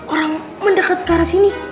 orang mendekat ke arah sini